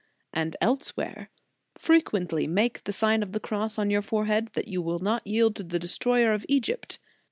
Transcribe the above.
" J* And elsewhere "Frequently make the Sign of the Cross on your forehead, that you may not yield to the destroyer of Egypt."